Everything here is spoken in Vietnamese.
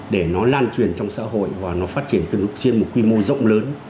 để nó lan truyền trong xã hội và nó phát triển trên một quy mô rộng lớn